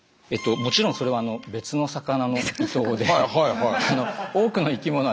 もちろんそれは別の魚のイトウで。